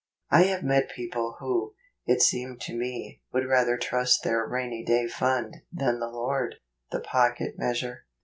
I have met people who, it seemed to me, would rather trust their "rainy day fund " than the Lord. The Pocket Measure.